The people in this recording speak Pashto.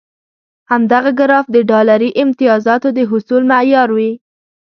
همدغه ګراف د ډالري امتیازاتو د حصول معیار وي.